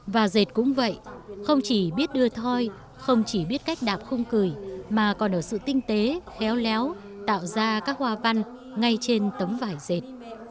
và dệt cũng vậy không chỉ biết đưa thoi không chỉ biết cách đạp khung cười mà còn ở sự tinh tế khéo léo tạo ra các hoa văn ngay trên tấm vải dệt